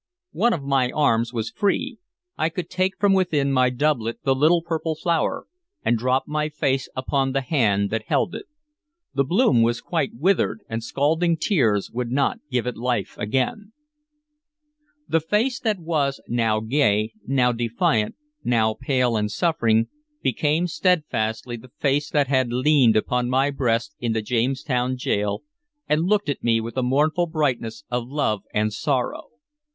One of my arms was free; I could take from within my doublet the little purple flower, and drop my face upon the hand that held it. The bloom was quite withered, and scalding tears would not give it life again. The face that was, now gay, now defiant, now pale and suffering, became steadfastly the face that had leaned upon my breast in the Jamestown gaol, and looked at me with a mournful brightness of love and sorrow.